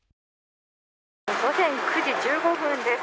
午前９時１５分です。